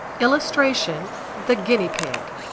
[Illustration: THE GUINEA PIG.